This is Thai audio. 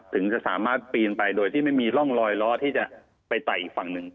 ถึงจะสามารถปีนไปโดยที่ไม่มีร่องรอยล้อที่จะไปไต่อีกฝั่งหนึ่ง